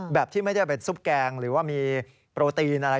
แบบที่ไม่ได้เป็นซุปแกงหรือว่ามีโปรตีนอะไร